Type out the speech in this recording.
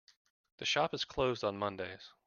The shop is closed on Mondays.